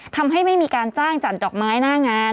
ทำให้ไม่มีการจ้างจัดดอกไม้หน้างาน